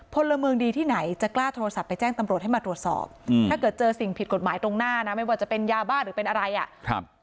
พลเมืองดีที่ไหนจะกล้าโทรศัพท์ไปแจ้งตำรวจให้มาตรวจสอบถ้าเกิดเจอสิ่งผิดกฎหมายตรงหน้านะไม่ว่าจะเป็นยาบ้าหรือเป็นอะไรอ่ะครับ